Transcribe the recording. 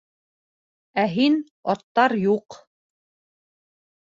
Ә һин -аттар юҡ!